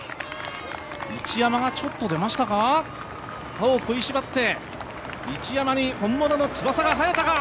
市山がちょっと出ましたか、歯を食いしばって市山に本物の翼が生えたか？